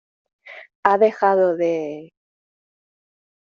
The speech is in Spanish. ha dejado de...